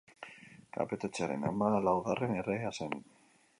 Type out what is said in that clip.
Kapeto etxearen hamalaugarren erregea zen.